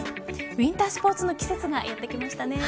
ウインタースポーツの季節がやってきましたね。